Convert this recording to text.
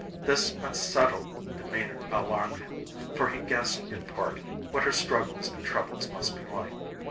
This unsettled demeanour alarmed him, for he guessed, in part, what her struggles and troubles must be like.